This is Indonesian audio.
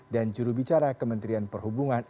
dan jurubicara kementerian perhubungan